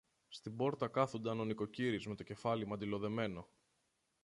Στην πόρτα κάθουνταν ο νοικοκύρης με το κεφάλι μαντιλοδεμένο